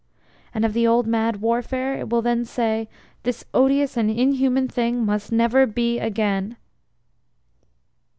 And of the old mad Warfare it will then say This odious and inhuman Thing must never be again!